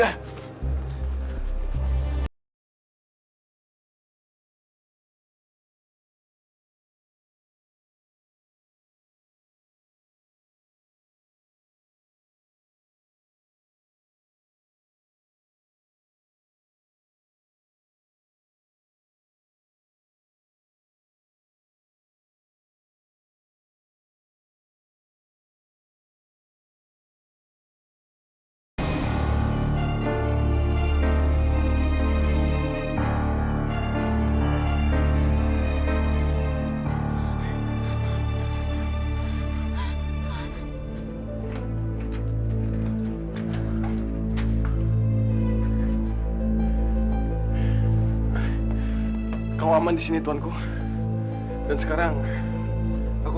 ayahku yang memberikannya kepada ibuku